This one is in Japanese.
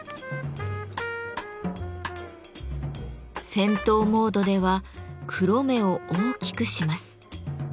戦闘モードでは黒目を大きくします。